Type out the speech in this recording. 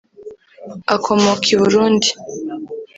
Akomoka i Burundi